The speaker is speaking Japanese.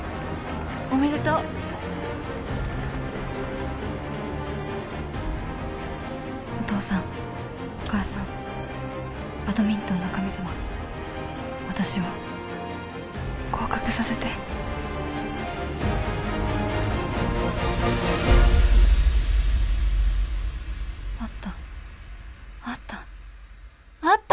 おめでとうお父さんお母さんバドミントンの神様私を合格させてあったあったあった！